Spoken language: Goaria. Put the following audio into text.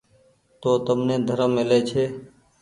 تو تمني ڌرم ميلي ڇي۔